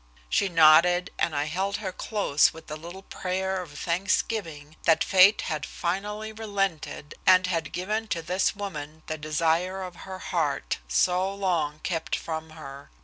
She nodded, and I held her close with a little prayer of thanksgiving that fate had finally relented and had given to this woman the desire of her heart, so long kept from her.